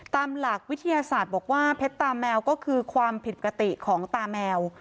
ตามหลักวิทยาศาสตร์บอกว่าเพชรตาแมวก็คือความผิดปกติของตาแมว